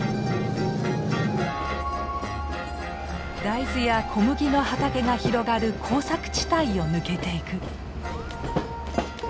大豆や小麦の畑が広がる耕作地帯を抜けていく。